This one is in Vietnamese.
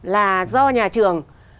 là do nhà trường